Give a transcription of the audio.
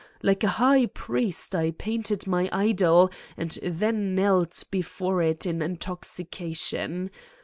Like a high priest I painted my idol and then knelt before it in intoxication!